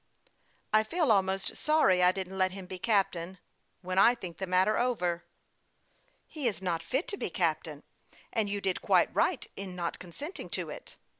I feel almost sorry I didn't let him be captain, when I think the matter over." " He is not fit to be captain ; and you did quite right in not consenting to it.